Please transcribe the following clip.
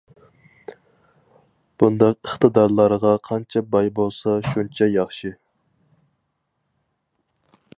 بۇنداق ئىقتىدارلارغا قانچە باي بولسا شۇنچە ياخشى.